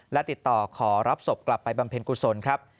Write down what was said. และติดต่อขอรับศพกลับไปบำเพ็ญกุศลครับ